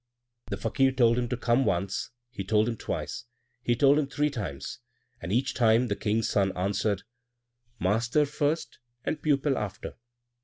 The Fakir told him to come once, he told him twice, he told him three times, and each time the King's son answered, "Master first, and pupil after."